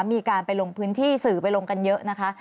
มีการไปลงพื้นที่สื่อไปลงกันเยอะนะคะ